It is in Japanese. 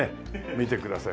見てください